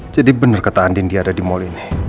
jadi bener kata andi dia ada di mall ini